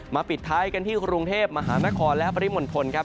มาปิดท้ายกันที่กรุงเทพฯมหาแม่คอร์และปริมลพลครับ